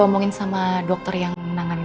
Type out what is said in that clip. omongin sama dokter yang menangani